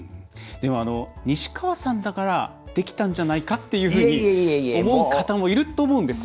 西川さんだからできたんじゃないかっていうふうに思う方もいると思うんですよ。